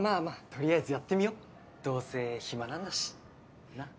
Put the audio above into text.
とりあえずやってみよどうせ暇なんだしなっ？